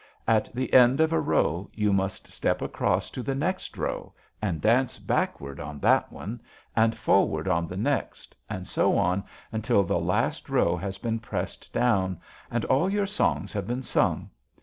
At the end of a row you must step across to the next row, and dance backward on that one, and forward on the next, and so on until the last row has been pressed down, and all your songs have been sung.